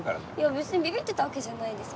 別にビビってたわけじゃないです